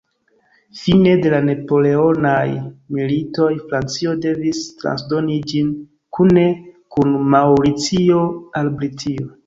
Fine de la Napoleonaj militoj Francio devis transdoni ĝin kune kun Maŭricio al Britio.